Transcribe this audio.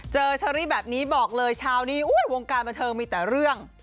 เชอรี่แบบนี้บอกเลยเช้านี้วงการบันเทิงมีแต่เรื่อง